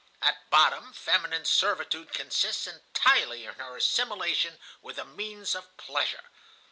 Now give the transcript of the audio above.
At bottom feminine servitude consists entirely in her assimilation with a means of pleasure.